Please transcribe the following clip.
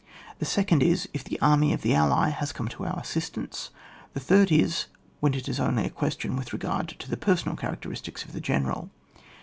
The second is, if the army of the ally has come to our assistance. The third is, when it is only a question with regard to the personal characteristics of the General.